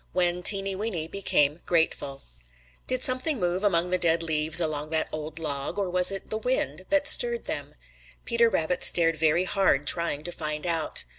X. WHEN TEENY WEENY BECAME GRATEFUL |DID something move among the dead leaves along that old log, or was it the wind that stirred them? Peter Rabbit stared very hard trying to find out.